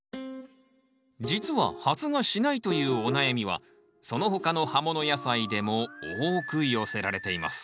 実は発芽しないというお悩みはその他の葉もの野菜でも多く寄せられています